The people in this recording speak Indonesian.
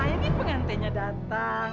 ini pengantinnya datang